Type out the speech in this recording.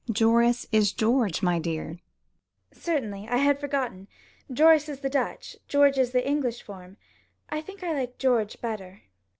"Joris is George, my dear." "Certainly, I had forgotten. Joris is the Dutch, George is the English form. I think I like George better."